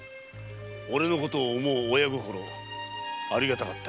俺のことを思う親心ありがたかった。